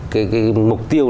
cái mục tiêu